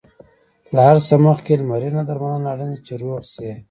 له هر څه مخکې لمرینه درملنه اړینه ده، چې روغ شې.